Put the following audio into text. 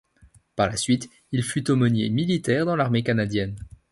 Par la suite, il fut aumônier militaire dans l'armée canadienne.